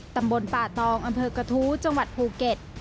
ตำบลป่าตองอำเภอกระทู้จังหวัดภูเก็ต